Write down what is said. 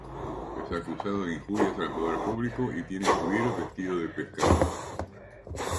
Es acusado de injurias al poder público y tiene que huir vestido de pescador.